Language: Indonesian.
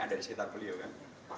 ada di sekitar beliau kan